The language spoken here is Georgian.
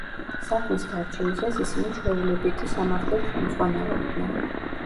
საქმის გარჩევისას ისინი ჩვეულებითი სამართლით ხელმძღვანელობდნენ.